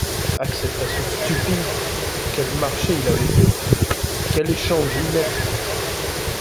Acceptation stupide! quel marché il avait fait ! quel échange inepte !